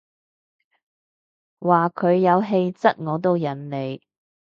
話佢有氣質我都忍你